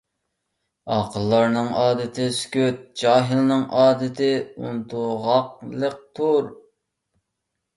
ئاقىللارنىڭ ئادىتى سۈكۈت، جاھىلنىڭ ئادىتى ئۇنتۇغاقلىقتۇر.